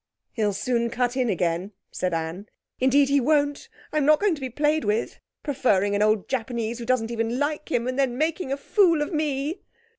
'He'll soon cut in again,' said Anne. 'Indeed he won't! I'm not going to be played with. Preferring an old Japanese who doesn't even like him, and then making a fool of me!'